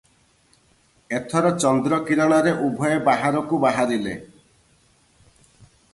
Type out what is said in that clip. ଏଥର ଚନ୍ଦ୍ରକିରଣରେ ଉଭୟେ ବାହାରକୁ ବାହାରିଲେ ।